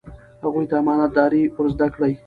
هغوی ته امانت داري ور زده کړئ.